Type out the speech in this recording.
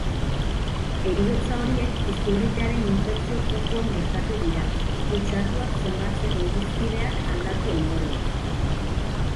Heriotza horiek izurritearen infekzio-fokuan gertatu dira, kutsatuak zenbatzeko irizpideak aldatu ondoren.